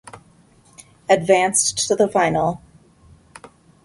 Advanced to the final